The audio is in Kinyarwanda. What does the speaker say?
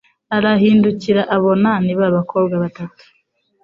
Arahindukira abona ni ba bakobwa batatu